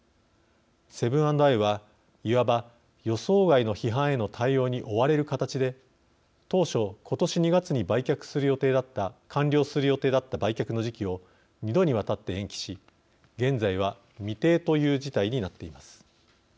セブン＆アイはいわば、予想外の批判への対応に追われる形で、当初今年２月に完了する予定だった売却の時期を２度にわたって延期し現在は未定という事態になっています。